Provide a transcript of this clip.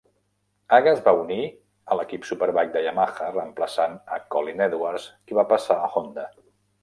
Haga es va unir a l'equip Superbike de Yamaha, reemplaçant a Colin Edwards, qui va passar a Honda.